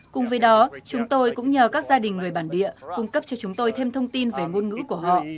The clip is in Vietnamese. cùng với đó chúng tôi cũng nhờ các gia đình người bản địa cung cấp cho chúng tôi thêm thông tin về ngôn ngữ của họ